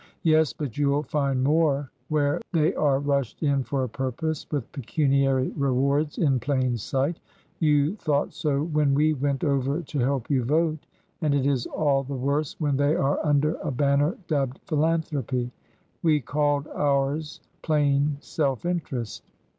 " Yes ; but you 'll find more where they are rushed in for a purpose, with pecuniary rewards in plain sight, — you thought so when we went over to help you vote,— and it is all the worse when they are under a banner dubbed ' Philanthropy.' We called ours plain ^ Self interest.'